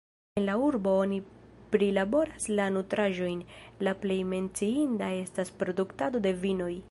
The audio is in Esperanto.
En la urbo oni prilaboras la nutraĵojn, la plej menciinda estas produktado de vinoj.